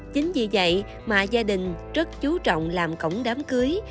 chính vì vậy mà gia đình rất chú trọng làm cổng đám cưới